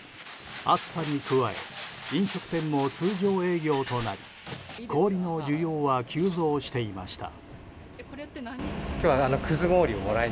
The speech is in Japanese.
暑さに加え飲食店も通常営業となり氷の需要は急増していました。